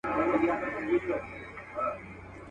ځناور يې له لكيو بېرېدله.